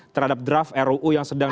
terhadap draft ruu yang sedang